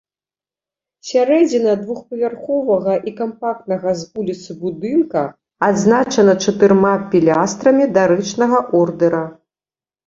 Сярэдзіна двухпавярховага і кампактнага з вуліцы будынка адзначана чатырма пілястрамі дарычнага ордэра.